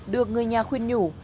được người nhà khuyên nhủ